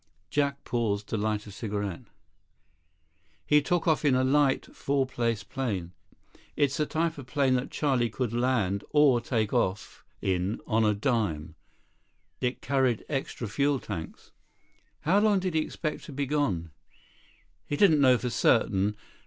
Jack paused to light a cigarette. "He took off in a light, four place plane. It's the type plane that Charlie could land or take off in on a dime. It carried extra fuel tanks." "How long did he expect to be gone?" "He didn't know for certain.